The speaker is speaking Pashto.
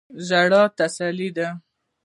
ژړا تسلی ده.